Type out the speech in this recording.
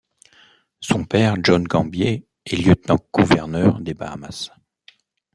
Son père John Gambier est Lieutenant-Gouverneur des Bahamas.